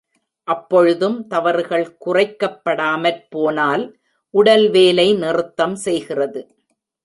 அப்பொழுதும் தவறுகள் குறைக்கப்படாமற்போனால், உடல் வேலை நிறுத்தம் செய்கிறது.